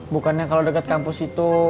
bukannya kalo deket kampus itu